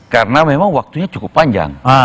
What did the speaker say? karena memang waktunya cukup panjang